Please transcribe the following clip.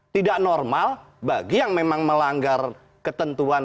tidak normal bagi yang memang melanggar ketentuan